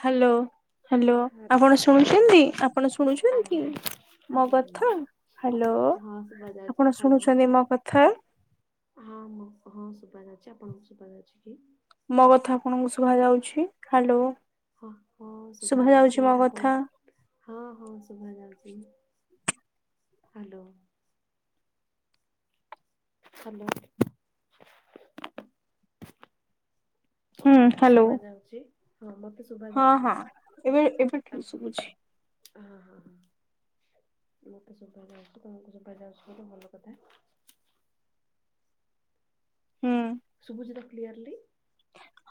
Hello. Hello ଆପଣ hello hello ଶୁଣୁଛନ୍ତି ଆପଣ ଆଜ୍ଞା ଶୁଣୁଛନ୍ତି ଆଜ୍ଞା ମୋ କଥା? ଆଜ୍ଞା। ହ୍ୟାଲୋ ହଁ ଶୁଭା ଯାଉଛି ଆପଣ ହାଲୋ ଶୁଣୁଛନ୍ତି ମୋ କଥା? ହଁ ମୁଁ ହଁ ସୁବାଯାଉଛି ଆପଣଙ୍କୁ ସୁବାଯାଉଛି କି? ମୋ କଥା ଆପଣଙ୍କୁ ଶୁଭା ଯାଉଛି? ହ୍ୟାଲୋ ହଁ ହଁ ଶୁଭା ଯାଉଛି। ଆପଣ ହଁ ହଁ ଶୁଭ ଯାଉଛି। ହ୍ୟାଲୋ ହାଲୋ ହ ହୁଁ ମତେ ହ୍ୟାଲୋ ଶୁଭ ଯାଉଛି। ହଁ ମତେ ଶୁଭା ହଁ ଯାଉଛି। ହଁ ଏବେ ଏବେ ହଁ ଠିକ ଶୁଭୁଛି। ହଁ ହଁ ହ ମତେ ଶୁଭ ଯାଉଛି ତମକୁ ସୁଭ ଯାଉଛି ଗୋଟେ ଭଲ କଥା ହୁଁ ସୁଭୁଜିତ କ୍ଲିୟରଲୀ?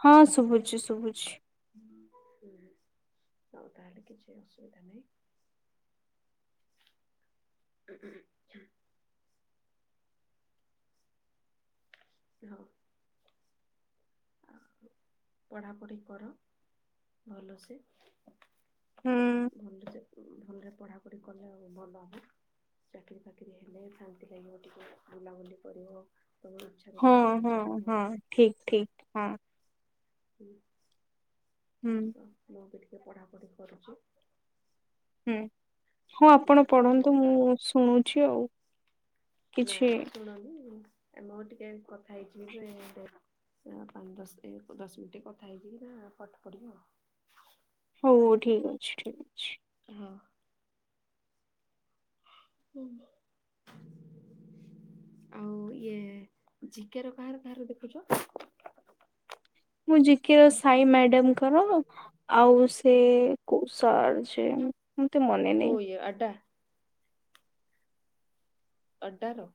ହଁ ଶୁଭୁଛି ଶୁଭୁଛି। ହୁଁ ଆଉ ତାହେଲେ କିଛି ଅସୁବିଧା ନାହିଁ। ହଁଁ ହଉ ଆଉ ପଢ଼ାପଢ଼ି କର ଭଲସେ। ହୁଁ ଭଲରେ ସେ ଭଲରେ ପଢା ପଢି କଲେ ଆଉ ଭଲ ହବ। ଚାକିରି ଫକିରି ହେଲେ ଶାନ୍ତି ଲାଗିବ ଟିକେ ବୁଲାବୁଲି କରିବ। [unintelligible] ହଁ ତାହା ହଁ କରିବ ହଁ ଠିକ ହୁଁ ଠିକ ହଁ ହୁଁ ହୁଁ ତ ମୁଁ ବି ଟିକିେ ପଢ଼ାପଢ଼ି କରୁଛି। ହୁଁ ହଁ ଆପଣ ଜିକେ ପଢନ୍ତୁ ଟିକେ ମୁଁ ଶୁଣୁଛି ଆଉ। କିଛି ନାଇଁ ଶୁଣନି ଆ ମୁ ଟିକେ କଥା [unintelligible] ପାଞ୍ଚ ଦଶ ଦଶ ମିନିଟ କଥା ହେଇକି ନା ପାଠ ପଢିବି ଆଉ। ହଉ ହଉ ଠିକ ଅଛି ଠିକ ଅଛି। ହଁ ହୁଁ ଆଉ ଇଏ ଜିକୋର କାହାର କାହାର ଦେଖୁଛ? ମୁଁ ଯି କେ ର ସାଇ ମ୍ୟାଡାମଙ୍କର ଆଉ ସେ କୌ ସାର୍ ସେ ମତେ ମନେ କୋଉ ନାଇଁ। ଆଡା ଅଡ଼ାର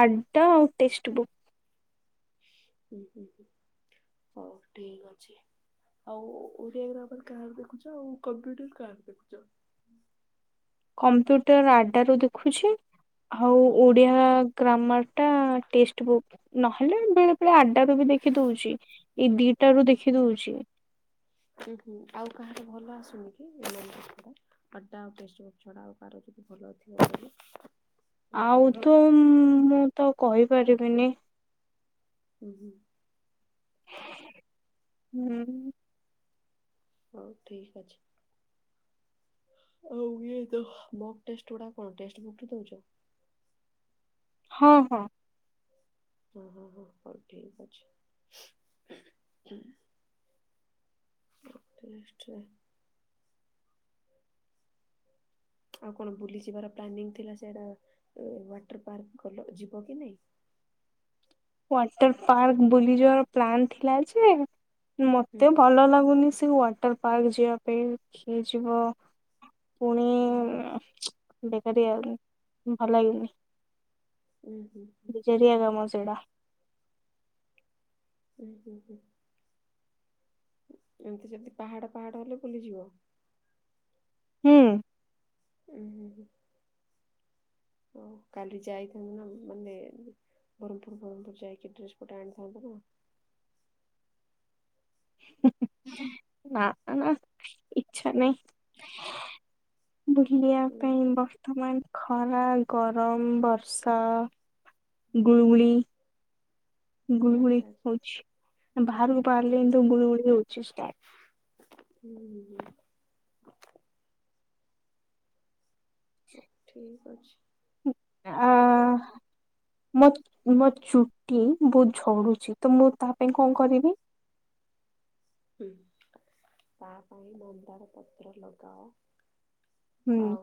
ଆଡା ଆଉ ଟେକ୍ସ ବୁକ୍। ହୁଁ ହୁଁ ହୁଁ ହଉ ଠିକ ଅଛି। ଆଉ ଓରିଓଗ୍ରାଫର କାହାର ଦେଖୁଛ ଆଉ କମ୍ପ୍ୟୁଟର କାହାର ଦେଖୁଛ? କମ୍ପ୍ୟୁଟର ଆଦ୍ଧା ର ଦେଖୁଛି ଆଉ ହୁଁ ଓଡିଆ ଗ୍ରାମର ଟା ଟେଷ୍ଟ ବୁକ୍ ନହେଲେ ବେଳେ ବେଳେ ଆଡଡା ର ବି ଦେଖି ଦଉଛି। ଏଇ ଦିଟା ରୁ ଦେଖି ଦଉଛି। ଉ ହୁଁ ଆଉ କାହାଠ ଭଲ ଆସୁନି କି? [unintelligible] ଆଡ୍ଡା ଆ ଟେଷ୍ଟ ଵୁକ୍ ଛଡା ଆଉ କହାର ଯଦି ଭଲଥିବ ବୋଲି। ଆଉ ତୁ ମୁଁ ତ କହିପାରିବିନି। ହୁଁ ହୁଁ ହୁଁ ହଉ ଠିକ ଅଛି। ହୋଉ ଇଏ ତ ମକ୍ ଟେଷ୍ଟ ଗୁଡା କଣ ଟେଷ୍ଟ ବୁକ୍ ରେ ଦୋଉଚ? ହଁ ହଁ ଓ ହୋ ହୋ ହଉ ଠିକ ଅଛି। [unintelligible] ଆଉ କଣ ବୁଲିଯିବାର ପ୍ଲାନିଂ ଥିଲା ସେଟା ୱାଟର ପାର୍କ ଗଲ ଯିବ କି ନାଇଁ? ୱାଟର ପାର୍କ ବୁଲି ଯିବାର ପ୍ଲାନ୍ ଥିଲା ଯେ ହୁଁ ମତେ ଭଲ ଲାଗୁନି ସେ ୱାଟର ପାର୍କ ଯିବା ପାଇଁ ହେ ଯିବ ପୁଣି ଉୁଁ ହୁଁ। ବେକାରିଆ ଭଲ ଲାଗିଲାନି। ଉୁଁ ହୁଁ। [unintelligible] ସେଇଡ଼ା। ଓ ହୁଁ ହୁଁ। ଏମିତି ଯଦି ପାହାଡ଼, ପାହାଡ଼ ହେଲେ ବୁଲିଯିବ ହୁଁ। ହୁଁଁ। ଓ କାଲି ଯାଇଥାନ୍ତୁ ନା ମାନେ ବରମପୁର ଫରମପୁର ଯାଇକି ଡ୍ରେସ ପଟା ଆଣିଥାନ୍ତୁନା। ନା ନା ଇଛା ନାହିଁ। ବୁଲିବା ହୁଁ ପାଇଁ ବ ର୍ତ୍ତମାନ ଖରା, ଗରମ, ବର୍ଷା, ଗୁଳୁଗୁଳି ଗୁଳୁଗୁଳି ଆଚ୍ଛା ଆଚ୍ଛା। ହଉଛି, ବାହାରକୁ ହୁଁ ବାହାରିଲେ ଗୁଳୁଗୁଳି ହଉଛି ଷ୍ଟାର୍ଟ। ହୁଁ ହୁଁ। ଠିକ ଅଛି। ଷ୍ଟାର୍ଟ ଆ ମୋ, ମୋ ଚୁ ଟି ବହୁତ ଝଡୁଛି ତ ମୁଁ ତା ପାଇଁ କଣ କରିବି? ହଁ ତା ପାଇଁ ମନ୍ଦାର ପତ୍ର ଲଗାଅ। ହୁଁ। ଆଉ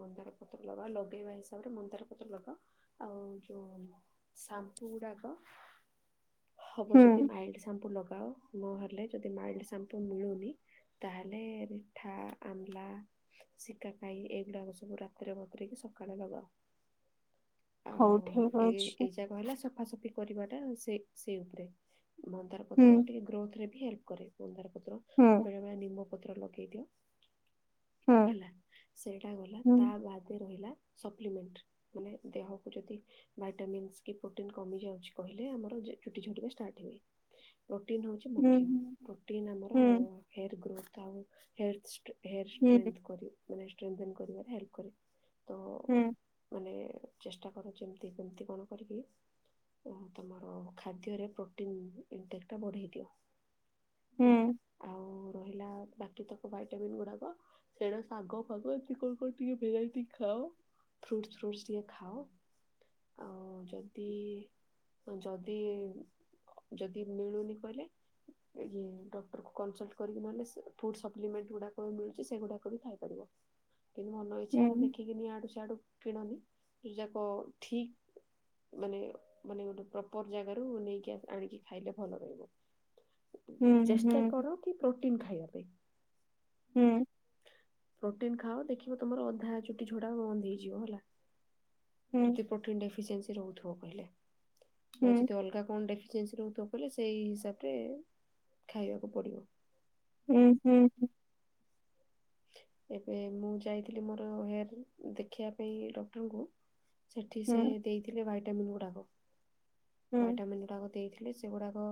ମନ୍ଦାର ପତ୍ର ଲଗାଅ, ଲଗେଇବା ହିସାବରେ ମନ୍ଦାର ପତ୍ର ଲଗାଅ, ଆଉ ଯୋଉ ସାମ୍ପୁ ଗୁଡାକ ହବ ହୁଁ ଯଦି ମାଇଲ୍ଡ ସାମ୍ପୁ ଲଗାଅ। ନହେଲେ ଯଦି ମାଇଲ୍ଡ ସାମ୍ପୁ ମିଳୁନି, ତାହେଲେ ରିଠା ଆମ୍ଲା ଶିକା ଖାଇ ଏଇଗୁଡାକ ସବୁ ରାତିରେ ବତୁରେଇକି ସକାଳେ ଲଗାଅ। ହଉ ଆଉ ଠିକ ଏଇ ଅଛି ଏଇ ଯାକ ହେଲା ସ ସଫାସଫି କରିବାଟା ସେ ସେଇ ଉପରେ, ମନ୍ଦାର ହୁଁ ପତ୍ର ଟିକେ ଗ୍ରୋଥରେ ବି ହେଲ୍ପ କରେ। ମନ୍ଦାର ପତ୍ର, ହୁଁ ବେଳେ ବେଳେ ନିମ୍ବ ପତ୍ର ଲଗେଇ ଦିଅ। ହୁଁ ହେଲା, ସେଇଟା ଗଲା ହୁଁ ତା ବାଦ ରହିଲା ସପ୍ଲିମେଣ୍ଟ ମାନେ ଦେହକୁ ଯଦି ଭାଇଟାମନ୍ସ କି ପ୍ରୋଟିନ କମି ଯାଉଛି କହିଲେ ଆମର ଚୁଟି ଝଡିବା ଷ୍ଟାର୍ଟ ହୁଏ। ପ୍ରୋଟିନ୍ ହେଉଛି ହୁଁ ମୁଖ୍ୟ, ହୁଁ ପ୍ରୋଟିନ୍ ଆମର ହେୟାର୍ ଗ୍ରୋଥ୍ ଆଉ ହେୟାର୍ ଷ୍ଟ୍ର ହେୟାର୍ ହୁଁ ଷ୍ଟ୍ରେନ୍ଥ୍ କରି ମାନେ ଷ୍ଟ୍ରେନ୍ଥେନ୍ କରିବାରେ ହେଲ୍ପ୍ କରେ ତ ହୁଁ। ମାନେ ଚେଷ୍ଟା କର ଯେମିତି କେମିତି କଣ କରିକି ଓ ତୁମର ଖାଦ୍ୟରେ ପ୍ରୋଟିନ୍ ଇନଟେକ୍ ଟା ବଢ଼େଇ ଦିଅ। ଆ ହୁଁ ଆଉ ରହିଲା ବା କେତକ ଭାଇଟାମିନ୍ ଗୁଡାକ ସେଇଟ ଶାଗ ଫାଗ ଏଦି କଣ କଣ ଟିକେ ଭେରାଇଟି ଖାଅ। ଫ୍ରୁଟ୍ସ୍ ଫ୍ରୁଟ୍ସ୍ ଟିକିଏ ଖାଅ। ଆଉ ଯଦି ହଁ ଯଦି ଯଦି ମିଳୁନି କହିଲେ ଇ ଡକ୍ଟର କୁ କନସଲ୍ଟ କରିକି ନହେଲେ ସେ ଫୁଡ୍ ସପ୍ଲିମେଣ୍ଟ ଗୁଡ଼ା ମିଳୁଚି ସେଗୁଡ଼ା ବି ଖାଇ ପାରିବ। କିନ୍ତୁ ମନ ଇଚ୍ଛା ଦେଖିକିନି ଇଆଡୁ ସିଆଡୁ କିଣନି କି ଯା କ ଠି ମାନେ ମାନେ ଗୋଟେ ପ୍ରପର ଜାଗାରୁ ନେଇକି ଆଣିକି ଖାଇଲେ ଭଲ ରହିବ। ଚେଷ୍ଟା କର କି ପ୍ରୋଟିନ୍ ଖାଇବା ପାଇଁ। ହୁଁ। ପ୍ରୋଟିନ୍ ଖାଅ ଦେଖିବ ତମର ଅଧା ଚୁଟି ଝଡ଼ା ବନ୍ଦ୍ ହେଇଯିବ ହେଲା। ଯଦି ପ୍ରୋଟିନ ଡେଫିସିଏନ୍ସି ରୋହୁଥିବ କହିଲେ ଯଦି ଅଲଗା କଣ ଡେଫି ସିଏନ୍ସୀ ରହୁଥିବ କଲେ ସେଇ ହିସାବ ରେ ଖାଇବାକୁ ପଡ଼ିବ। ହୁଁ ହୁଁ ହୁ। ଏବେ ମୁଁ ଯାଇଥିଲି ମୋର ହେୟାରିଂ ଦେଖେଇବା ପାଇଁ ଡକ୍ଟରଙ୍କୁ ସେଠି ସେ ଦେଇଥିଲେ ଭାଇଟାମିନ୍ ଗୁଡ଼ାକ। ଭାଇଟାମିନ୍ ଗୁଡ଼ାକ ଦେଇଥିଲି ସେଗୁଡ଼ାକ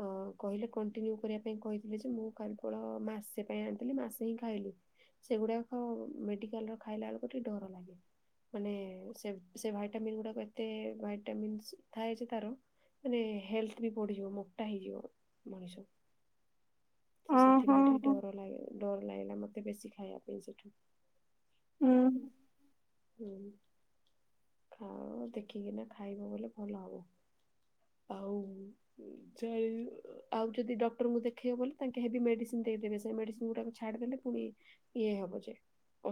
ଅ କହିଲେ କଣ୍ଟିନ୍ୟୁ କରିବା ପାଇଁ କହିଥିଲେ ଯେ ମୁଁ କେବଳ ମାସେ ପାଇଁ ଆଣିଥିଲି ମାସେ ହିଁ ଖାଇଲି। ସେଗୁଡ଼ାକ ମେଡ଼ିକାଲ ର ଖାଇଲା ବେଳକୁ ଟିକେ ଡ଼ର ଲାଗେ। ମାନେ ସେ ସେ ଭାଇଟାମିନ୍ ଗୁଡ଼ାକ ଏତେ ଭାଇଟାମିନ୍ସ ଥାଏ ଜେ ତାର ମାନେ ହେଲ୍ଥ ବି ବଢ଼ିଯିବ ମୋଟା ହେଇଯିବ ମଣିଷ। ତ ସେଥିପାଇଁ ଟିକେ ଡର ଲାଗେ ଡର ଲାଗିଲା ମତେ ବେଶୀ ଖାଇବା ପାଇଁ ସେଠୁ। ହୁ ହୁଁ। ଖ ଦେଖିକିନା ଖାଇବ ବୋଲେ ଭଲ ହବ। ଆଉ ଆଉ ଯଦି ଡକ୍ଟରଙ୍କୁ ଦେଖେଇବ ବ ବୋଲି ତାଙ୍କେ ହେବ ମେଡ଼ିସିନ ଦେଇଦେବେ ସେ ମେଡ଼ିସିନ୍ ଗୁଡ଼ାକ ଛାଡ଼ିଦେଲେ ପୁଣି ଇଏ ହବ ଯେ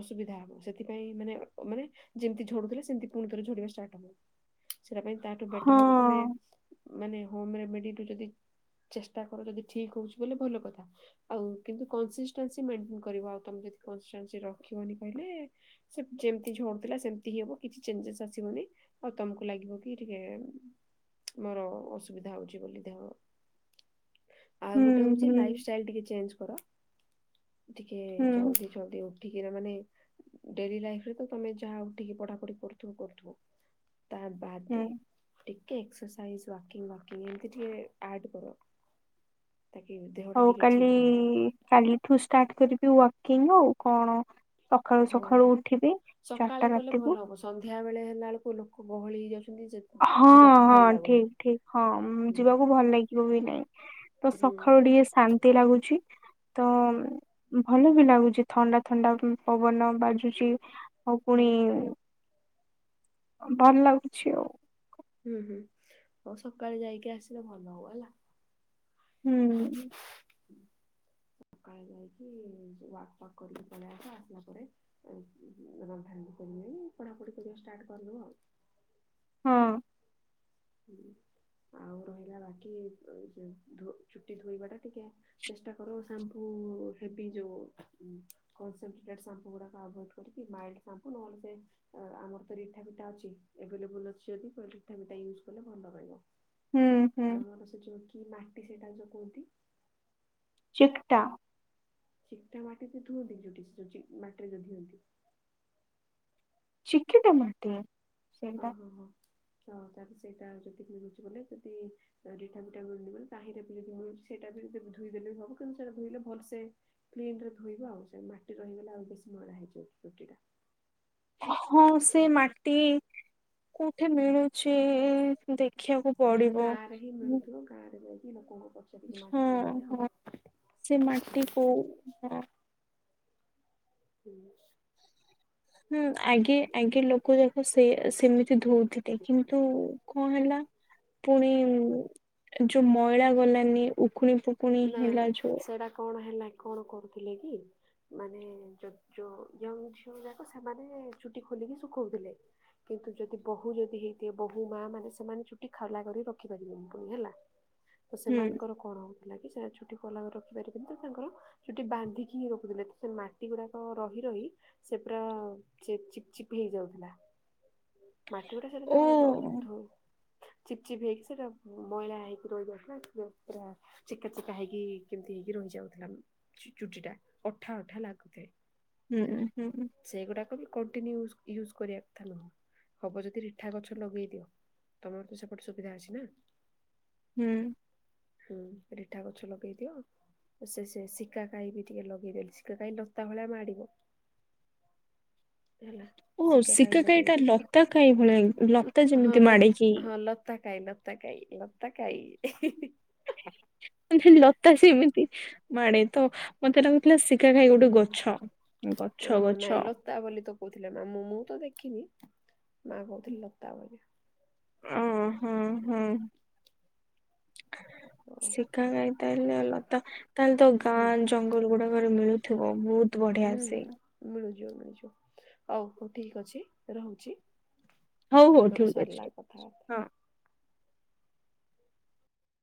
ଅସୁବିଧା ହବ ସେଥିପାଇଁ ମାନେ ମାନେ ଯେମିତି ଝଡୁଥିଲେ ସେମତି ପୁଣି ଥରେ ଝଡ଼ିବା ଷ୍ଟାର୍ଟ ହବ। ସେଟା ପାଇଁ ତାଠୁ ବେଟର ହବ ତମେ ହଁ ମାନେ ହୋମ୍ ରେମିଡ଼ି ତୁ ଯଦି ଚେଷ୍ଟା କର ଯଦି ଠିକ୍ ହୋଉଛି ତାହେଲେ ଭଲକଥା। ଆଉ କିନ୍ତୁ କନସିଟେନ୍ସି ମେଣ୍ଟେନ କରିବା। ତମେ ଯଦି କନସେନ୍ସ ରଖିବନି କହିଲେ ସେ ଯେମିତି ଝଡୁଥିଲା ସେମିତି ହି ହବ କିଛି ଚେଞ୍ଜେସ୍ ଆସିବନି ଆଉ ତମକୁ ଲାଗିବକି ଟିକେ ମୋର ଅସୁବିଧା ହଉଛି ବୋଲି ଦେହ। ଆଉ ହୁଁ ଗୋଟେ ହଉଛି ହୁଁ ଲାଇଫ୍ ଷ୍ଟାଇଲ ଟିକେ ଚେଞ୍ଜ କର। ଟିକେ ହୁଁ ଜଲଦି ଚନ୍ତି ଉଠିକି ଏରା ମାନେ ଡେରି ଲାଇଫ୍ ରେ ତ ତମେ ଯାହା ଉଠିକି ପଢ଼ା ପଢ଼ି କରୁ ତୁ କରଥିବୁ ତା ବାର୍ ହୁଁ ଟିକେ ଏକ୍ସରସାଇଜ ୱାର୍କିଂ ୱାର୍କିଙ୍କ୍ ଏମିତି ଟିକେ ଆର୍ଟ କର। ତାକି ଦେହଟା ହଉ ଟିକେ କାଲି ଠିକ୍ ରହିବ। କାଲିଠୁ ଷ୍ଟାର୍ଟ କରିବି ୱାକିଂ ଆଉ କଣ। ସକାଳୁ ହଁ। ସକାଳୁ ଉଠିବି ଚାରିଟା ରାତିିବୁ ସନ୍ଧ୍ୟାବେଳେ ହେଲା ବେଳକୁ ଲୋକ ଗହଳି ହେଇଯାଉଛନ୍ତି ଜେ ହଁ ହଁ ଠିକ୍ ଠିକ୍ ହଁ ହୁଁ ଯିବାକୁ ଭଲ ଲାଗିବ ବି ନାହିଁ। ତ ହୁଁ ସକାଳୁ ଟିକେ ଶାନ୍ତି ଲାଗୁଛି। ତ ଭଲ ବି ଲାଗୁଛି ଥଣ୍ଡା ଥଣ୍ଡା ପବନ ବାଜୁଛି। ଆଉ ହୁଁ ପୁଣି ଭଲ ଲାଗୁଛି ଆଉ। ହୁଁ ହୁଁ ଆଉ ସକାଳେ ଯାଇକି ଆସିଲେ ଭଲ ହବ ହେଲା। ହୁଁ। ସକାଳେ ଯାଇକି ୱାକ୍ ଫକ୍ କରିକି ପଳେଇ ଆସ। ଆସିଲା ପରେ ର ଭାଙ୍ଗ କରିବେଣି ପଢ଼ା ପଢ଼ି କରିବା ଷ୍ଟାର୍ଟ କରିବା ଆଉ। ହଁ। ହୁଁ ଆଉ ରହିଲା ବାକି ଧୋ ଚୁଟି ଧୋଇବା ଟା ଟିକେ ଚେଷ୍ଟା କର ସାମ୍ପୁ ହେବି ଯୋଉ କନସେଟ୍ରେଣ୍ଡ ଶାମ୍ପୁ ଗୁଡ଼ାକ ଆଭଏଡ୍ କରିକି ନାଏଲ ଶାମ୍ପୁ ନହେଲେ ସେ ଆମର ତ ରିଠା ପିଠା ଅଛି। ଏବେ ଲେବୁଲ୍ ଅଛି ଯଦି ରିଠା ପିଠା ୟୁଜ କଲେ ଭଲ ରହିବ। ହୁଁ ହୁଁ ଆମର ସେଠି କି ମାଟି ସେଟାକୁ ଯୋ କୁହନ୍ତି? ଚିକଟା। ଚିକଟା ମାଟି ତ ଧୁଅନ୍ତି ଯୋଉଠି ସୁଜି ମାଟିରେ ଯୋଉ ଧିଅନ୍ତି।। ଚିକିଟା ମାଟି? ସେଇଟା ଓହୋ ହୋ ତ ତାପରେ ସେଇଟା [unintelligible] ଯଦି ଆପଣଙ୍କ ନାମ ହଉଚି ବୋଲେ ଯଦି ରିଠା ପିଠା [unintelligible] ତାହିଁରେ ବି ଯଦି ମିଳୁଛି ସେଇଟା ବି ଧୋଇ ଦେଲେ ବି ହବ କିନ୍ତୁ ସେଇଟା ଧୋଇଲେ ଭଲସେ କ୍ଲିନ ରେ ଧୋଇବ ଆଉ ସେ ମାଟି ରହିଗଲେ ଆଉ ବେଶୀ ମଇଳା ହେଇଯିବ ଚୁଟିଟା। ହଁ ସେ ମାଟି କଉଠି ମିଳୁଚି ଇ ଇ ଇ ବ ଦେଖିଆକୁ ପଡିବ ହୁଁ। ଗାଁରେ ଯାଇକି ଲୋକଙ୍କୁ ପଚାରିକି ମାଗିକି ଆଣିଲେ ହଁ ହବ। ସେ ମାଟି କୋଉ ହଁ ଠିକ୍ ଅଛି। ହୁଁ ଆଗେ ଆଗେ ଲୋକ ଯାକ ସେ ସେମିତି ଧଉଥିଲେ କିନ୍ତୁ କଣ ହେଲା ପୁଣି ଯୋଉ ମଇଳା ଗଲାନି ଉଖୁଣି ପୁ ନା ସେଇଟା କଣ ହେଲା କଣ କରୁଥିଲେ କି? ମାନେ ଯୋଉ ଯୋଉ ୟଙ୍ଗ ଝିଅ ଯାକ ସେମାନେ ଚୁଟି ଖୋଲିକି ଶୁଖଉଥିଲେ। କିନ୍ତୁ ଯଦି ବୋହୁ ଯଦି ହେଇଥିବେ ବୋହୁ ମା ମାନେ ସେମାନେ ଚୁଟି ଖାଉଲା କରି ରଖିପାରିବେନି ପୁଣି ହେଲା। ତ ହୁଁ ସେମାନଙ୍କର କଣ ହୋଉଥିଲା କି ସେ ଛୁଟି କୋଲା କରିକି ରଖିପାରିବେନି ତ ତାଙ୍କର? ଚୁଟି ବାନ୍ଧିକି ହିଁ ରଖୁଥିଲେ ତ ସେ ମାଟି ଗୁରାକ ରହି ରହି ସେ ପୁରା ସେ ଚିପ୍ ଚିପ୍ ହେଇଯାଉଥିଲା। ମାଟି ଗୋଟେ ସେଠି ତ ଓ ର ଧୋ ଚିପ୍ ଚିପ୍ ହେଇକି ସେଟା ମଇଳା ହେଇକି ରହିଯାଇଥିଲା [unintelligible] ପୁରା ଚିକା ଚିକା ହେଇକି କେମିତି ହେଇକି ରହିଯାଉଥିଲା ମଁ। ଚୁଟି ଟା ଅଠା ଅଠା ଲାଗୁଥାଏ। ହୁଁ ହୁଁ। ସେଗୁଡ଼ାକ ବି କଣ୍ଟିନ୍ୟୁ ୟୁଜ୍ ୟୁଜ କରିବା କଥା ନୁହଁ। ହବ ଯଦି ରିଠା ଗଛ ଲଗେଇ ଦିଅ। ତମର ତ ସେପଟେ ସୁବିଧା ଅଛି ନା। ହୁଁ। ହୁଁ ରିଠା ଗଛ ଲଗେଇଦିଅ। ସେ ସେ ଶିକାକାଇ ବି ଟିକେ ଲଗେଇଦେଲି ଶିକା କାଇ ଲତା ଭଳିଆ ମାଡିବ। ହେଲା। ଓ ଶିକା କାଇ ଶିକାକାଇ ଲଗେଇ ଟା ଲତା କାଇ ଭଳିଆ ଲତା ଦିଅ ହଁ ଯେମିତି ମାଡେ କି ଲତ ହଁ ଲତା କାଇ ଲ ଆତା କାଇ ଲତା କାଇ। ଉଁହୁଁ ଲତା ସେମିତି ମାଡ଼େ ତ ମତେ ଲାଗୁଥିଲା ଶିକା ଖାଇ ଗୋଟେ ଗଛ। ଓ ଗଛ ଗଛ ନାଇଁ ଲ ତା ବୋଲି ତ କହୁଥିଲେ ମା ମୁଁ ମୁଁ ତ ଦେଖିନି। ମାଆ କହୁଥିଲେ ଲତା ଭଳିଆ। ଅ ହଁ ହଁ ହଁ ଓ ଶିଖା କାଇ ତାଏଲେ ଲତା ତାହେଲେ ତ ହୁଁ ଗାଁ ଜଙ୍ଗଲ ଗୁଡାକରେ ମିଳୁଥିବ ବହୁତ। ବଢିଆ ହୁଁ ସେ ହୁଁ ମିଳୁଯିବ ମିଳିଯିବ ହୋଉ ଠିକ୍ ଅଛି ରହୁଚି। ହଉ ହଉ ଆମର ଠିକ ଅଛି ସରିଲା କଥାବାର୍ତା। ହଁ।